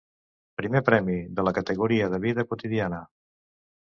Primer premi de la categoria de vida quotidiana.